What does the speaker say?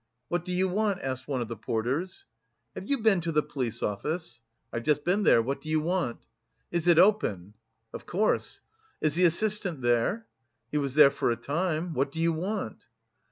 "What do you want?" asked one of the porters. "Have you been to the police office?" "I've just been there. What do you want?" "Is it open?" "Of course." "Is the assistant there?" "He was there for a time. What do you want?"